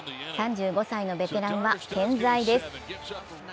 ３５歳のベテランは健在です。